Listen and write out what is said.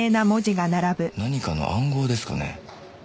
何かの暗号ですかね？